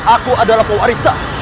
aku adalah pau arissa